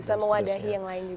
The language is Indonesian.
bisa mewadahi yang lain juga